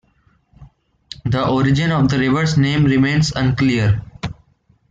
The origin of the river's name remains unclear.